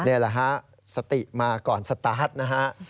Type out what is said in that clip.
นี่แหละฮะสติมาก่อนสตาร์ทนะฮะ